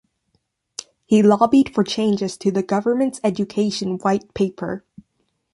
He lobbied for changes to the Government's Education White Paper.